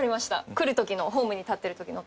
来る時のホームに立ってる時の音。